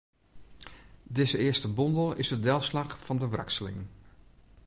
Dizze earste bondel is de delslach fan de wrakseling.